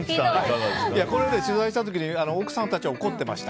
これね、取材した時に奥さんたちは怒ってました。